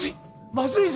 まずいぞ！